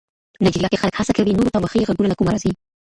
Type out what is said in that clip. نایجیریا کې خلک هڅه کوي نورو ته وښيي غږونه له کومه راځي.